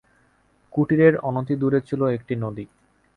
কুটিরের অনতিদূরে ছিল একটি নদী।